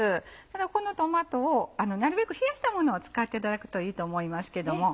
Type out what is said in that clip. ただこのトマトをなるべく冷やしたものを使っていただくといいと思いますけども。